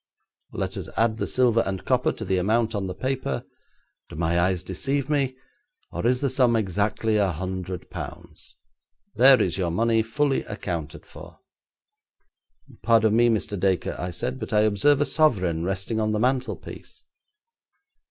Let us add the silver and copper to the amount on the paper. Do my eyes deceive me, or is the sum exactly a hundred pounds? There is your money fully accounted for.' 'Pardon me, Mr. Dacre,' I said, 'but I observe a sovereign resting on the mantelpiece.'